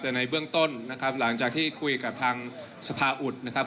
แต่ในเบื้องต้นนะครับหลังจากที่คุยกับทางสภาอุดนะครับ